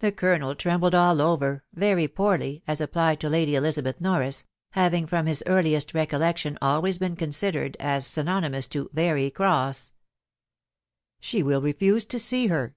The colonel trembled aH over, very poorly," as applied to Lady Elizabeth Norn having from liis earnest raooReotion always Been^eonaidefed ma aynenyaaeue 'to ac very cross/' 44 She wifl refose «• aee 'her !"